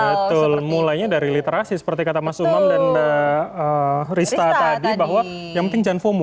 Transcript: betul mulainya dari literasi seperti kata mas umam dan rista tadi bahwa yang penting jan fomo